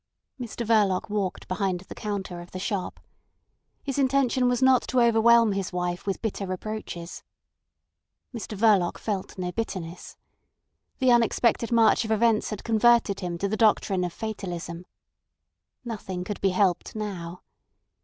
Mr Verloc walked behind the counter of the shop. His intention was not to overwhelm his wife with bitter reproaches. Mr Verloc felt no bitterness. The unexpected march of events had converted him to the doctrine of fatalism. Nothing could be helped now.